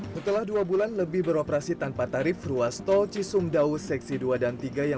setelah dua bulan lebih beroperasi tanpa tarif ruas tol cisumdaus seksi dua dan tiga yang